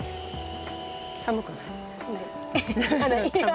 寒くない。